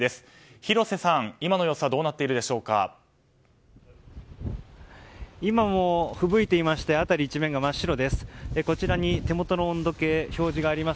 広瀬さん、今の状況は今もふぶいていまして辺り一面が真っ白です。